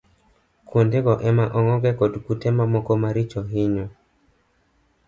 Kuondego ema ong'oge kod kute mamoko maricho hinyo